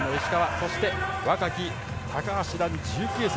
そして若き高橋藍、１９歳。